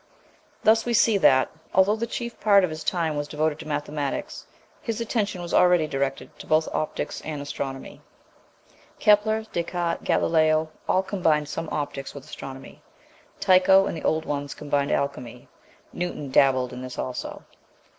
Thus we see that, although the chief part of his time was devoted to mathematics, his attention was already directed to both optics and astronomy. (Kepler, Descartes, Galileo, all combined some optics with astronomy. Tycho and the old ones combined alchemy; Newton dabbled in this also.)